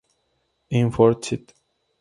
En Fort St.